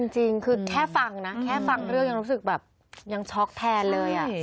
จริงคือแค่ฟังนะแค่ฟังเรื่องยังรู้สึกแบบยังช็อกแทนเลย